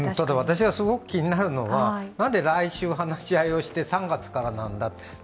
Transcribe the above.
私がすごく気になるのは、何で来週話し合いをして３月からなんだと。